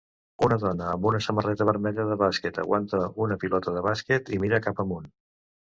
Una dona amb una samarreta vermella de bàsquet aguanta una pilota de bàsquet i mira cap amunt.